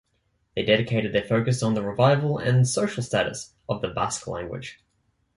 They dedicated their focus on the revival and social status of the Basque language.